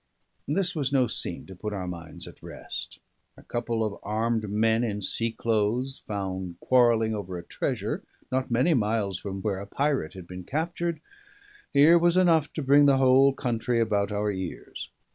This was no scene to put our minds at rest: a couple of armed men in sea clothes found quarrelling over a treasure, not many miles from where a pirate had been captured here was enough to bring the whole country about our ears.